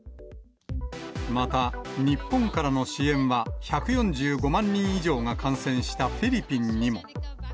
また、日本からの支援は、１４５万人以上が感染したフィリピンにも。